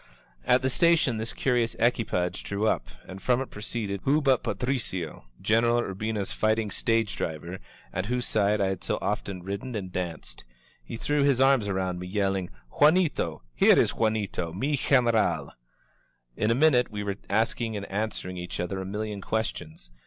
At the station this curious equi page drew up, and from it proceeded — ^who but Pa tricio, Greneral Urbina's fighting stage driver at whose side I had so often ridden and danced! He threw his arms around me, yelling: ^^Juanito! Here is Juanito, mi Generair* In a minute we were asking and an swering each other a million questions.